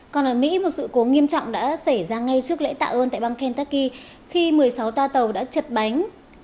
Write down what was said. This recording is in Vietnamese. còn ở mỹ một sự cố nghiêm trọng đã xảy ra ngay trước lễ tạ ơn tại bang kentucky khi một mươi sáu toa tàu đã chật bánh